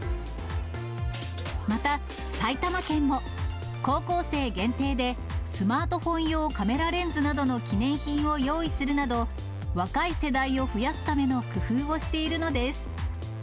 また埼玉県も、高校生限定でスマートフォン用カメラレンズなどの記念品を用意するなど、若い世代を増やすための工夫をしているのです。